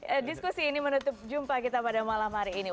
ya diskusi ini menutup jumpa kita pada malam hari ini